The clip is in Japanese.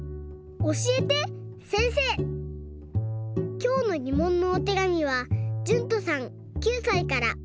きょうのぎもんのおてがみはじゅんとさん９さいから。